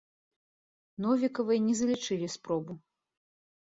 Новікавай не залічылі спробу.